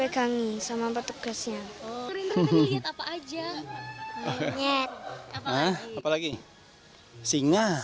kamu nggak takut sama burung olang kenapa nggak takut